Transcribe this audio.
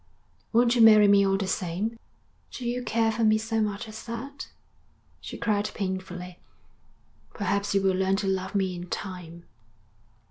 'Won't you marry me all the same?' 'Do you care for me so much as that?' she cried painfully. 'Perhaps you will learn to love me in time.'